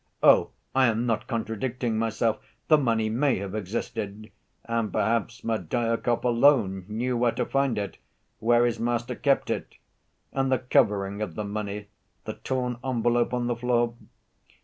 Oh, I am not contradicting myself—the money may have existed. And perhaps Smerdyakov alone knew where to find it, where his master kept it. And the covering of the money—the torn envelope on the floor?